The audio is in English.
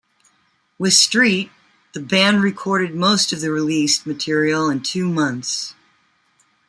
With Street, the band recorded most of the released material in two months.